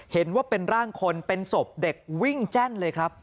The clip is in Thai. เห็นว่าเป็นร่างคนเป็นศพเด็กวิ่งแจ้นเลยครับ